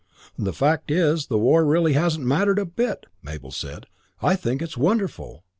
"The fact is the war really hasn't mattered a bit," Mabel said. "I think it's wonderful.